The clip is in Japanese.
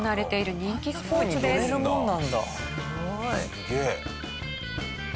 すげえ！